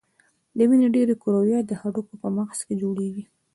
د وینې ډېری کرویات د هډوکو په مغزو کې جوړیږي.